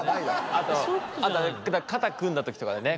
あとあと肩組んだ時とかだよね。